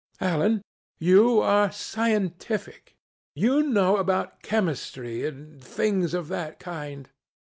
Alan, you are scientific. You know about chemistry and things of that kind.